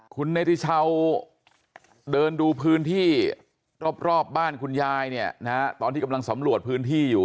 คุณเนธิเช้าเดินดูพื้นที่รอบบ้านคุณยายเนี่ยนะฮะตอนที่กำลังสำรวจพื้นที่อยู่